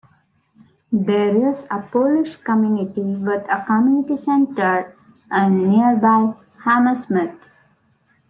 There is a Polish community, with a community centre in nearby Hammersmith.